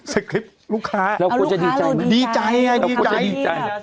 สติพลิปลุกค้าอ่ะดีใจไงเอางานที่แต่สิ้นปิดแล้ว